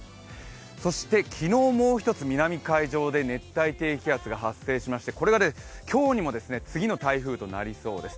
そして昨日もう一つ南海上で熱帯低気圧が発生しまして、これが今日にも次の台風となりそうです。